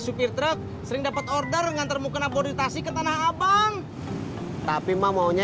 supir truk sering dapat order ngantar mau kena bodi tasik ke tanah abang tapi maunya